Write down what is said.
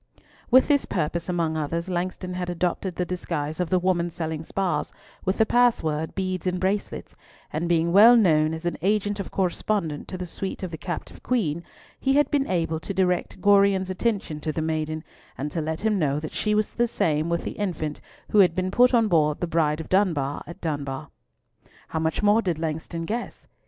With this purpose among others, Langston had adopted the disguise of the woman selling spars with the password "Beads and Bracelets," and being well known as an agent of correspondence to the suite of the captive Queen, he had been able to direct Gorion's attention to the maiden, and to let him know that she was the same with the infant who had been put on board the Bride of Dunbar at Dunbar. How much more did Langston guess?